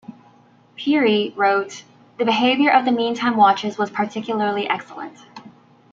Peary, wrote ... the behaviour of the meantime watches was particularly excellent.